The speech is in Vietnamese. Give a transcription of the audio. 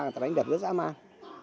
người ta đánh đập rất dã man